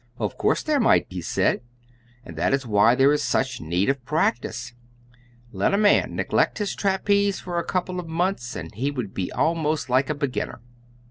Of course there might, he said, and that is why there is such need of practice. Let a man neglect his trapeze for a couple of months, and he would be almost like a beginner.